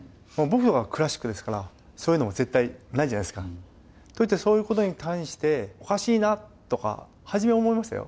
僕はクラシックですからそういうのも絶対ないじゃないですか。といってそういうことに関しておかしいなとか初めは思いましたよ。